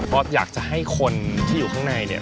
เพราะอยากจะให้คนที่อยู่ข้างในนี่